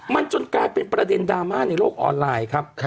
มันจนกลายเป็นประเด็นดราม่าในโลกออนไลน์ครับ